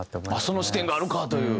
その視点があるかという。